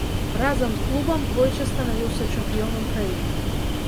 Разам з клубам двойчы станавіўся чэмпіёнам краіны.